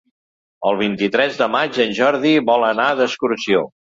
El vint-i-tres de maig en Jordi vol anar d'excursió.